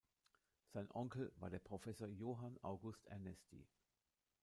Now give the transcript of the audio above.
Sein Onkel war der Professor Johann August Ernesti.